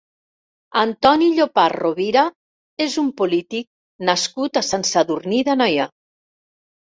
Antoni Llopart Rovira és un polític nascut a Sant Sadurní d'Anoia.